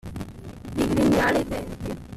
Digrignare i denti.